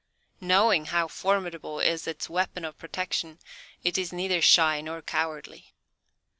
Knowing how formidable is its weapon of protection, it is neither shy nor cowardly.